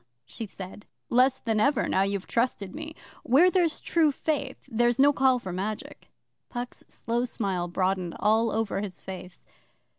she said. 'Less than ever now you've trusted me. Where there's true faith, there's no call for magic.' Puck's slow smile broadened all over his face.